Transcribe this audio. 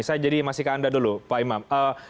saya jadi masjidkan anda dulu pak imam